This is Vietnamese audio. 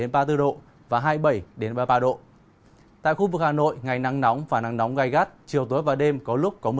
bà bày độ